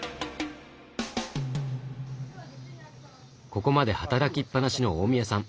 ここまで働きっぱなしの大宮さん。